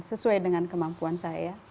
sesuai dengan kemampuan saya